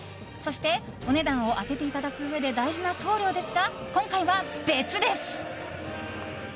そしてお値段を当てていただくうえで大事な送料ですが今回は別です。